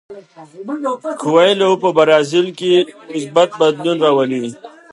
کویلیو په برازیل کې مثبت بدلون راولي.